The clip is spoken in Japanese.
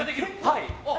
はい。